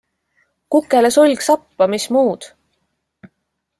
Kukele sulg sappa, mis muud!